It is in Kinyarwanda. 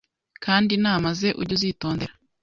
kandi inama ze ujye uzitondera.